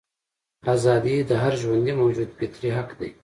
ازادي د هر ژوندي موجود فطري حق دی.